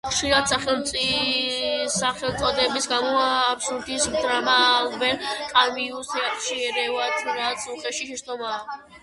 ხშირად სახელწოდების გამო აბსურდის დრამა ალბერ კამიუს თეატრში ერევათ, რაც უხეში შეცდომაა.